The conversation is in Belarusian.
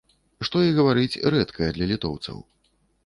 Што і гаварыць, рэдкае для літоўцаў.